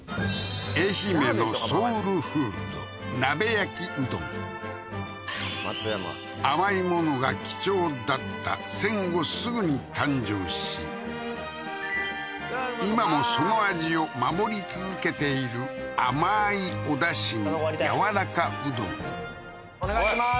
愛媛のソウルフード鍋焼きうどん甘いものが貴重だった戦後すぐに誕生し今もその味を守り続けているお願いします